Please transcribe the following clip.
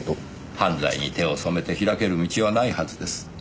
犯罪に手を染めて開ける道はないはずです。